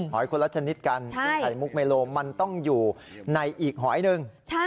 คนละชนิดกันซึ่งไข่มุกเมโลมันต้องอยู่ในอีกหอยหนึ่ง